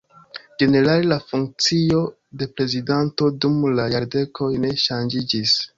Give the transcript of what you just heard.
Ĝenerale la funkcio de prezidanto dum la jardekoj ne ŝanĝiĝis.